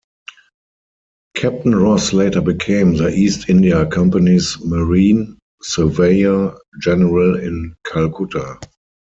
Captain Ross later became the East India Company's Marine Surveyor General in Calcutta.